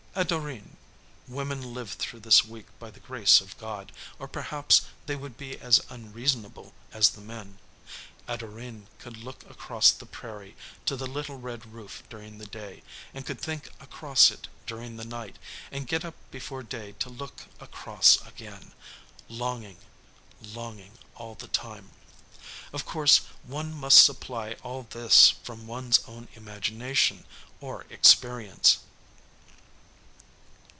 Adorine women live through this week by the grace of God, or perhaps they would be as unreasonable as the men Adorine could look across the prairie to the little red roof during the day, and could think across it during the night, and get up before day to look across again longing, longing all the time. Of course one must supply all this from one's own imagination or experience.